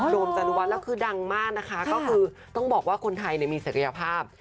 โมมจานุวัฒน์แล้วคือดังมากนะคะก็คือต้องบอกว่าคนไทยมีศักยภาพ